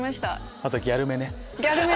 あとはギャルめね